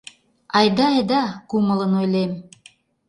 Айда, айда, — кумылын ойлем.